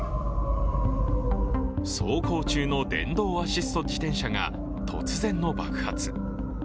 走行中の電動アシスト自転車が突然の爆発。